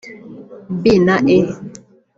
B na E